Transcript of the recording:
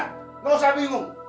tidak usah bingung